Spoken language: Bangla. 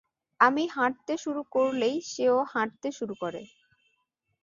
আমি হাঁটতে শুরু কললেই সেও হাঁটতে শুরু করে।